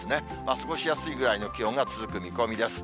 過ごしやすいぐらいの気温が続く見込みです。